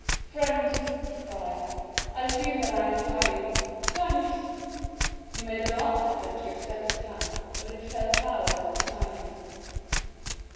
50273m "Friend," he cried, "I feel that I am dying; thanks!" He made a last effort to extend his hand, but it fell powerless beside him.